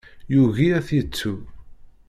Yugi ad t-yettu.